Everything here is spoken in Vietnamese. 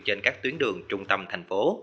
trên các tuyến đường trung tâm thành phố